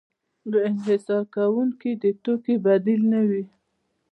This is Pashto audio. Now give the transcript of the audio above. د انحصار کوونکي د توکې بدیل نه وي.